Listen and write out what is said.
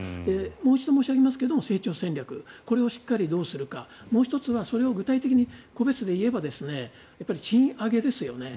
もう一度申し上げますが成長戦略をどうするかもう１つはそれを具体的に個別でいえば賃上げですよね。